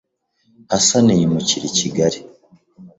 Hassan yimukira i Kigali